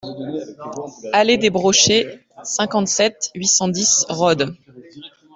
Allée des Brochets, cinquante-sept, huit cent dix Rhodes